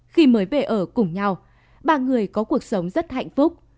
khi mới về ở cùng nhau ba người có cuộc sống rất hạnh phúc